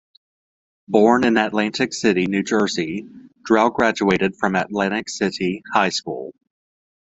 Born in Atlantic City, New Jersey, Drell graduated from Atlantic City High School.